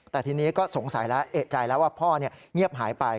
แต่ทีนี้ก็สงสัยแล้วเอกใจแล้วว่าพ่อเงียบหายไป